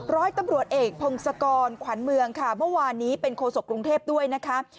ร้อยตำรวจเอกพงศกรขวัญเมืองค่ะเมื่อวานนี้เป็นโคศกกรุงเทพด้วยนะคะ